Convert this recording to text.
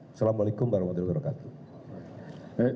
assalamu'alaikum warahmatullahi wabarakatuh